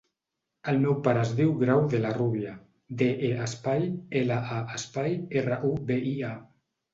El meu pare es diu Grau De La Rubia: de, e, espai, ela, a, espai, erra, u, be, i, a.